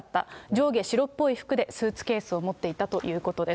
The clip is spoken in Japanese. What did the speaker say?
上下白っぽい服で、スーツケースを持っていたということです。